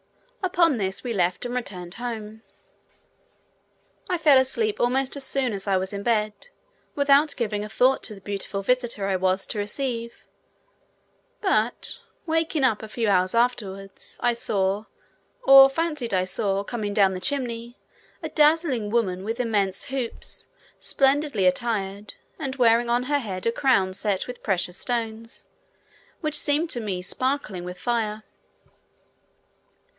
Upon this we left and returned home. I fell asleep almost as soon as I was in bed, without giving a thought to the beautiful visitor I was to receive; but, waking up a few hours afterwards, I saw, or fancied I saw, coming down the chimney, a dazzling woman, with immense hoops, splendidly attired, and wearing on her head a crown set with precious stones, which seemed to me sparkling with fire.